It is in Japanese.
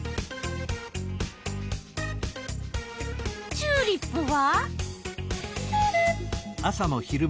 チューリップは？